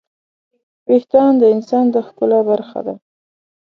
وېښتيان د انسان د ښکلا برخه ده.